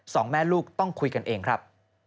สองแม่ลูกต้องคุยกันเองครับ